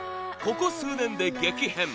ここ数年で激変！